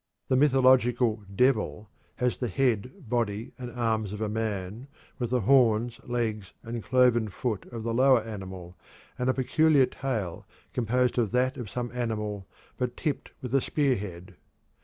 The mythological "devil" has the head, body, and arms of a man, with the horns, legs, and cloven foot of the lower animal, and a peculiar tail composed of that of some animal but tipped with a spearhead.